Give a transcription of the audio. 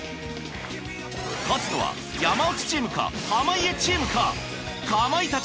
勝つのは山内チームか濱家チームか！？